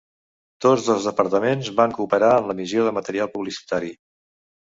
Tots dos departaments van cooperar en l'emissió de material publicitari.